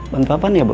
bantu apa nih ya bu